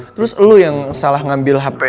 terus lo yang salah ngambil hp